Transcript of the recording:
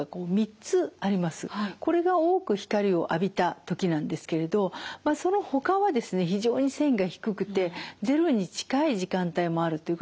これが多く光を浴びた時なんですけれどそのほかは非常に線が低くてゼロに近い時間帯もあるということが分かります。